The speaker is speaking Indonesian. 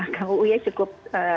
kang uu ya cukup